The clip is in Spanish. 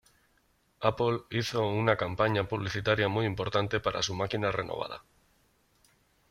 Apple hizo una campaña publicitaria muy importante para su máquina renovada.